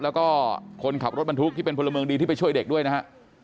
แล้วก็คนขับรถบรรทุกที่เป็นพลเมืองดีที่ไปช่วยเด็กด้วยนะฮะ